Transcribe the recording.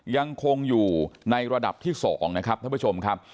ยังคงอยู่ในระดับที่๒นะครับท่านผู้ชมครับ